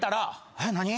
えっ何？